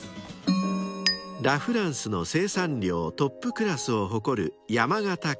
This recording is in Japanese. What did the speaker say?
［ラ・フランスの生産量トップクラスを誇る］